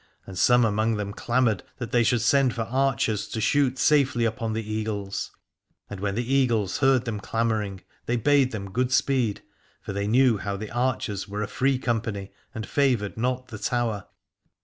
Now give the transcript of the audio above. And some among them clamoured that they should send for archers, to shoot safely upon the Eagles : and when the Eagles heard them clamouring they bade them good speed, for they knew how the archers were a free company, and favoured not the Tower.